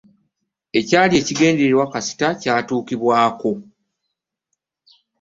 Ekyali ekigendererwa kasita kyatuukibwako.